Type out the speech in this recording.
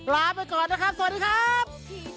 ลาไปก่อนนะครับสวัสดีครับ